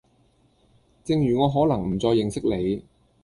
正如我可能唔再認識你